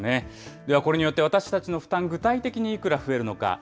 では、これによって私たちの負担、具体的にいくら増えるのか。